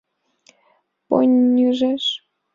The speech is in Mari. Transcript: Поньыжеш!